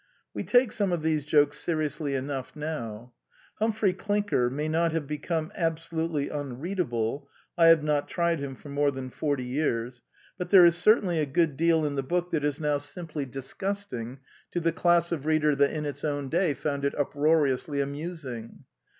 We take some of these jokes seriously enough now. Humphrey Clinker may not have become absolutely unreadable (I have not tried him for more than forty years) ; but there is certainly a good deal in the book that is now simply dis The New Element 201 gusting to the class of reader that in its own day found it uproariously amusing.